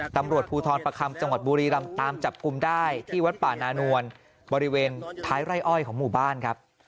ตำรวจภูทรประคำจังหวัดบุรีรำตามจับกลุ่มได้ที่วัดป่านานวลบริเวณท้ายไร่อ้อยของหมู่บ้านครับ